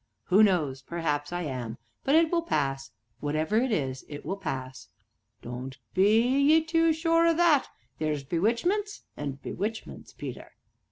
"Who knows? perhaps I am, but it will pass, whatever it is, it will pass " "Don't ye be too sure o' that theer's bewitchments an' bewitchments, Peter."